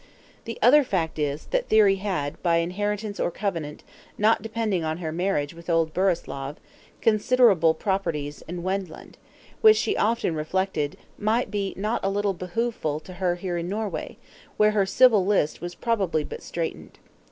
The other fact is, that Thyri had, by inheritance or covenant, not depending on her marriage with old Burislav, considerable properties in Wendland; which, she often reflected, might be not a little behooveful to her here in Norway, where her civil list was probably but straitened.